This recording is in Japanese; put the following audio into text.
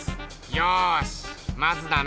よしまずだな